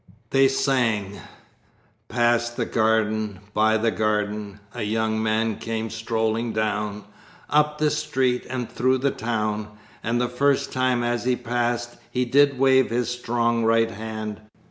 They sang: "Past the garden, by the garden, A young man came strolling down, Up the street and through the town. And the first time as he passed He did wave his strong right hand.